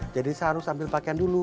jadi saya harus ambil pakaian dulu